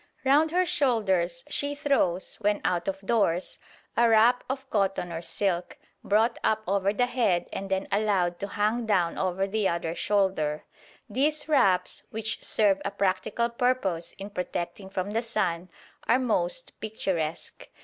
Round her shoulders she throws, when out of doors, a wrap of cotton or silk, brought up over the head and then allowed to hang down over the other shoulder. These wraps, which serve a practical purpose in protecting from the sun, are most picturesque.